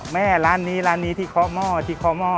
แม่ร้านนี้ร้านนี้ที่เคาะหม้อที่เคาะหม้อ